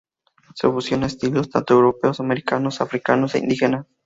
Se fusiona estilos tanto europeos, americanos, africanos e indígenas.